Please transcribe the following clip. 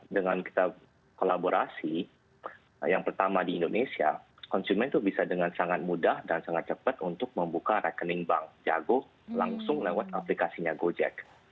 dengan kita kolaborasi yang pertama di indonesia konsumen itu bisa dengan sangat mudah dan sangat cepat untuk membuka rekening bank jago langsung lewat aplikasinya gojek